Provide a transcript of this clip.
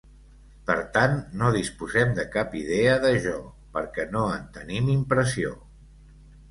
Per tant, no disposem de cap idea de jo, perquè no en tenim impressió.